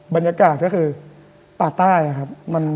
บรรยากาศก็คือป่าใต้ครับ